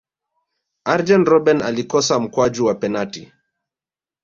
arjen robben alikosa mkwaju wa penati